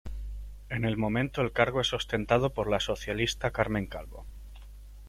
En el momento el cargo es ostentado por la socialista Carmen Calvo.